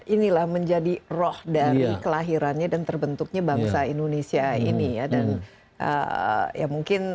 ini lah menjadi roh dari kelahirannya dan terbentuknya bangsa indonesia ini dan mungkin